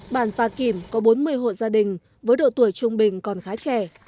bản pa kim có bốn mươi hộ gia đình với độ tuổi trung bình còn khá trẻ